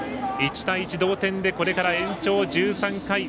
１対１、同点でこれから延長１３回。